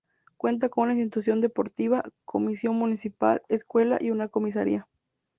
Cuenta con una institución deportiva, comisión municipal, escuela y una comisaría.